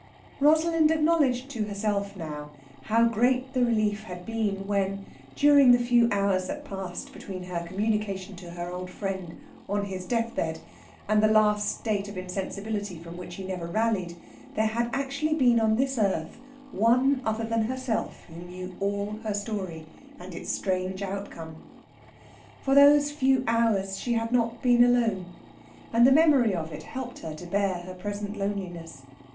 Rosalind acknowledged to herself now how great the relief had been when, during the few hours that passed between her communication to her old friend on his deathbed and the last state of insensibility from which he never rallied, there had actually been on this earth one other than herself who knew all her story and its strange outcome. For those few hours she had not been alone, and the memory of it helped her to bear her present loneliness.